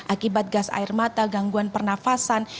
akibat gas air mata gangguan pernafasan